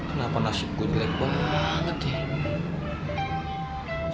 kenapa nasib gue jelek banget ya